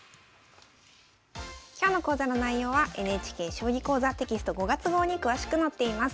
今日の講座の内容はＮＨＫ「将棋講座」テキスト５月号に詳しく載っています。